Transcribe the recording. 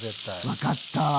分かった。